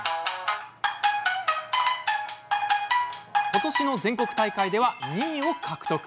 ことしの全国大会では２位を獲得。